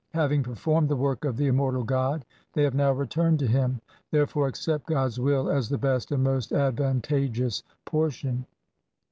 Having performed the work of the immortal God they have now returned to Him. Therefore accept God's will as the best and most advantageous portion.